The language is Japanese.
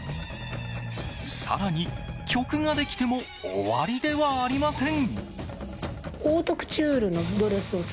更に、曲ができても終わりではありません。